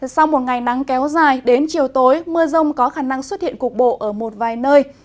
sau một ngày nắng kéo dài đến chiều tối mưa rông có khả năng xuất hiện cục bộ ở một vài nơi